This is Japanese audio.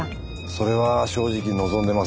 それは正直望んでません。